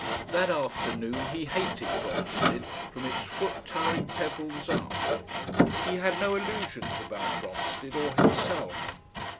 That afternoon he hated Bromstead, from its foot tiring pebbles up. He had no illusions about Bromstead or himself.